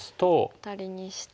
アタリにして。